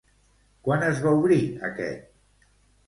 Quan es va obrir aquest?